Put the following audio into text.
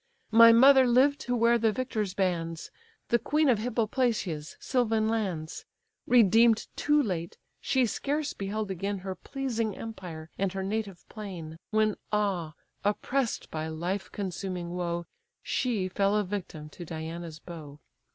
My mother lived to wear the victor's bands, The queen of Hippoplacia's sylvan lands: Redeem'd too late, she scarce beheld again Her pleasing empire and her native plain, When ah! oppress'd by life consuming woe, She fell a victim to Diana's bow.